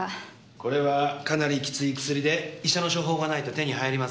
これはかなりきつい薬で医者の処方がないと手に入りません。